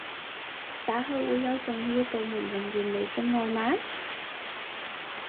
打去會有重要部門人員嚟送外賣？